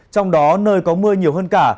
trong đó nơi có mưa nhiều hơn cả